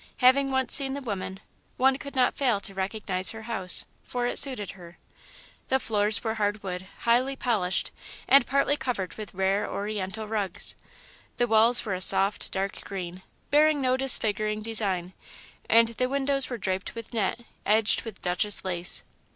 Having once seen the woman, one could not fail to recognise her house, for it suited her. The floors were hardwood, highly polished, and partly covered with rare Oriental rugs. The walls were a soft, dark green, bearing no disfiguring design, and the windows were draped with net, edged with Duchesse lace.